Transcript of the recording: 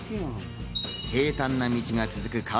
平たんな道が続く